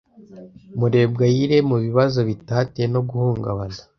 murebwayire mubibazo bitatewe no guhungabana